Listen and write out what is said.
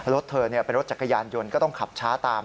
รถเธอเป็นรถจักรยานยนต์ก็ต้องขับช้าตาม